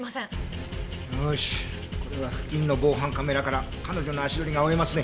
これは付近の防犯カメラから彼女の足取りが追えますね。